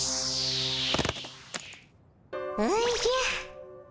おじゃ。